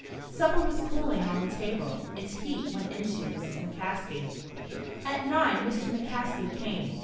Supper was cooling on the table. Its heat went into Mrs. McCaskey. At nine Mr. McCaskey came.